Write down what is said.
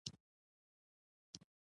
ایا زه باید ساه لنډه کړم؟